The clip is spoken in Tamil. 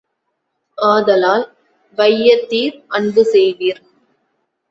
ஆதலால், வையத்தீர் அன்பு செய்வீர்!